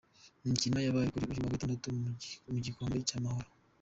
Imikino yabaye kuri uyu wa Gatatu mu gikombe cy’Amahoro:.